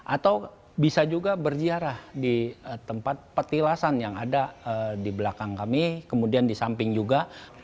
atau bisa juga berziarah di tempat petilasan yang ada di belakang kami kemudian di samping juga